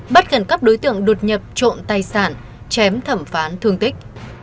bắt gần cấp đối tượng đột nhập trộn tài sản chém thẩm phán thương tích